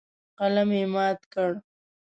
قلم یې مات کړ.